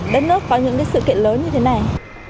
đất nước có những sự kiện lớn như thế này